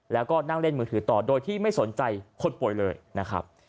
แล้วก็นั่งเล่นมือถือต่อโดยที่ไม่สนใจคนป่วยเลยนะครับ